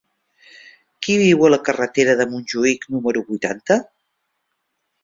Qui viu a la carretera de Montjuïc número vuitanta?